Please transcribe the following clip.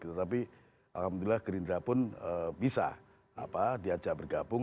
tetapi alhamdulillah gerindra pun bisa diajak bergabung